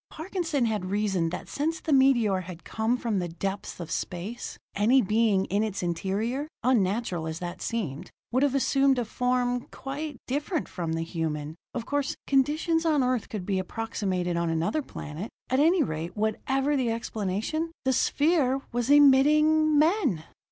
Parkinson had reasoned that since the meteor had come from the depths of space, any being in its interior, unnatural as that seemed, would have assumed a form quite different from the human. Of course, conditions on Earth could be approximated on another planet. At any rate, whatever the explanation, the sphere was emitting men!